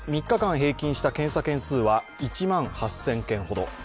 ３日間平均した検査件数は１万８０００件ほど。